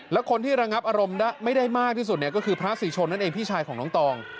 และคนที่ระงับอารมณ์ไม่ได้มากที่สุดเนี่ยก็คือพระศรีชนนั่นเองพี่ชายของน้องตอง